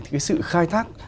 thì cái sự khai thác